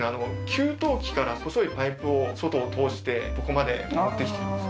給湯器から細いパイプを外を通してここまで持ってきてるんです